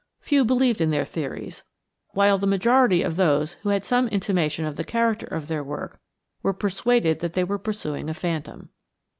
Few believed in their theories, while the majority of those who had some intimation of the character of their work were persuaded that they were pursuing a phantom.